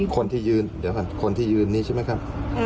คนที่ยืนคนที่ยืนนี่ใช่ไหมครับ